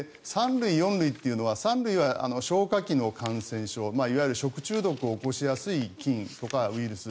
３類、４類というのは３類は消化器の感染症いわゆる食中毒を起こしやすい菌とかウイルス